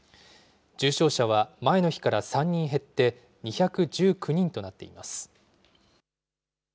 重症者は前の日から３人減って、２１９人となっています。